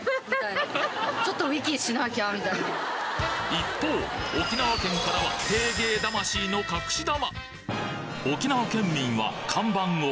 一方沖縄県からはテーゲー魂の隠し玉！